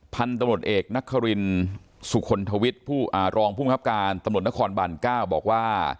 พันธุ์ตำรวจเอกนักคลินสุขลทวิทย์รองภูมิภาพการตำรวจนครบรรณเกล้าบอกว่า